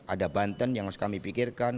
ada banten yang harus kami pikirkan